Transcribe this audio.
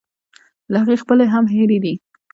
له هغه خپلې هم هېرې دي.